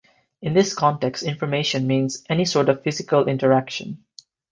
In this context, "information" means "any sort of physical interaction".